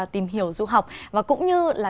tìm hiểu du học và cũng như là